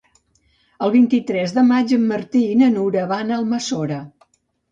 El vint-i-tres de maig en Martí i na Nura van a Almassora.